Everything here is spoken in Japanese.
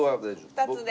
２つで。